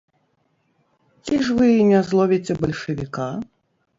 Ці ж вы не зловіце бальшавіка?